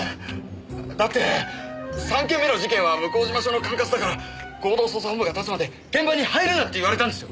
だって３件目の事件は向島署の管轄だから合同捜査本部が立つまで現場に入るなって言われたんですよ！